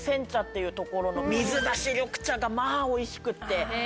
いうところの水出し緑茶がまぁおいしくって。